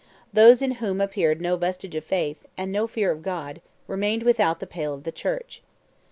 Those in whom appeared no vestige of faith, and no fear of God, remained without the pale of the Church.